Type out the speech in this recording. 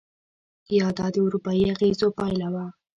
یا دا د اروپایي اغېزو پایله وه؟